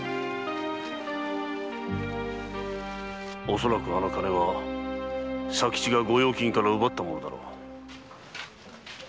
恐らくあの金は佐吉が御用金から奪ったものだろう。